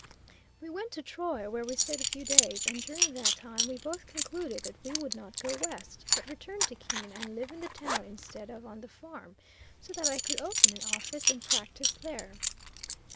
We went to Troy, where we stayed a few days, and during that time we both concluded that we would not go West, but return to Keene and live in the town instead of on the farm, so that I could open an office and practice there.